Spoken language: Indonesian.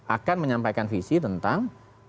akan menyampaikan visi tentang